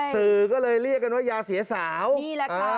สื่อก็เลยเรียกกันว่ายาเสียสาว